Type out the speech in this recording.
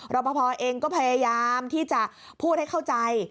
ปภเองก็พยายามที่จะพูดให้เข้าใจ